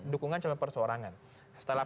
dukungan calon persoarangan setelah